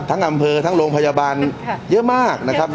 ทั้งอำเภอทั้งโรงพยาบาลเยอะมากนะครับ